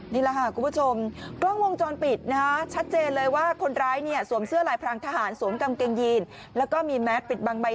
นี่แหละฮะคุณผู้ชมกล้องวงจรปิดนะฮะชัดเจนเลยว่าคนร้ายเนี้ย